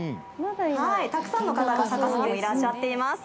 はいたくさんの方がサカスにもいらっしゃっています